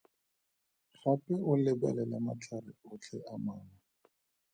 Gape o lebelele matlhare otlhe a mangwe.